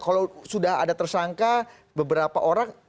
kalau sudah ada tersangka beberapa orang